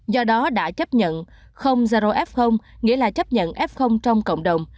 do đó đã chấp nhận f nghĩa là chấp nhận f trong cộng đồng